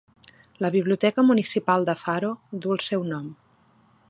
La Biblioteca Municipal de Faro duu el seu nom.